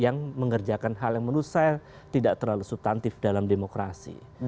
yang mengerjakan hal yang menurut saya tidak terlalu subtantif dalam demokrasi